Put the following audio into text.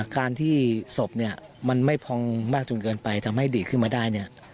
การที่ศพมันไม่พองมากจนเกินไปทำให้ดีขึ้นมาได้